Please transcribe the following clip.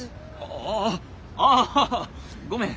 あああごめん。